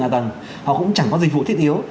hạ tầng họ cũng chẳng có dịch vụ thiết yếu